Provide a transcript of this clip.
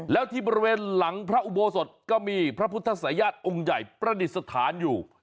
แล้วที่บริเวณหลังพระอุโบสถก็มีพระพุทธศายาทองค์ใหญ่ประดิษฐานอยู่